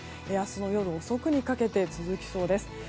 明日の夜遅くにかけて続きそうです。